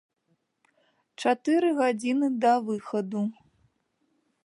Чатыры гадзіны да выхаду.